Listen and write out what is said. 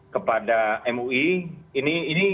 kepada mui ini ini